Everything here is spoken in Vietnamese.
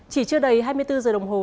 chỉ trước đây hai mươi bốn h đồng hồ